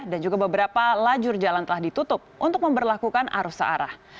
dan juga beberapa lajur jalan telah ditutup untuk memperlakukan arus searah